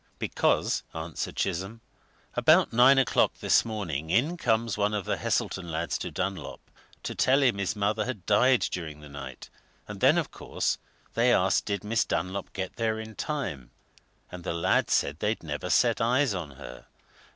"Because," answered Chisholm, "about nine o'clock this morning in comes one of the Heselton lads to Dunlop to tell him his mother had died during the night; and then, of course, they asked did Miss Dunlop get there in time, and the lad said they'd never set eyes on her.